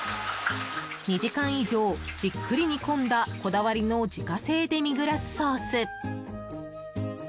２時間以上じっくり煮込んだこだわりの自家製デミグラスソース！